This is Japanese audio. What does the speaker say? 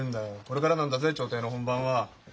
これからなんだぜ調停の本番は。